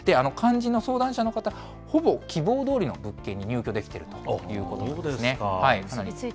肝心の相談者の方、ほぼ希望どおりの物件に入居できているということなんですね。